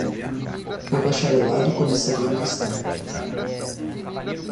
O bacharelado começaria mais tarde.